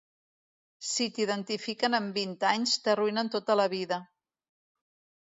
Si t’identifiquen amb vint anys, t’arruïnen tota la vida.